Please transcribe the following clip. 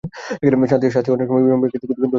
শাস্তি অনেক সময় বিলম্বে আসে কিন্তু নিশ্চিত আসে।